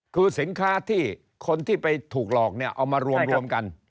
คือสินค้าที่คนที่ไปถูกหลอกเนี่ยเอามารวมกัน